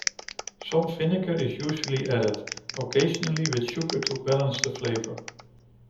Some vinegar is usually added, occasionally with sugar to balance the flavor.